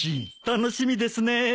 楽しみですね。